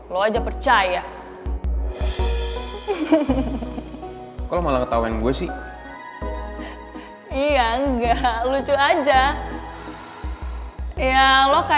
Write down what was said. lo aja percaya kalau malah ketahuan gue sih iya enggak lucu aja ya lo kayak